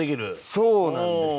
そうなんですよ。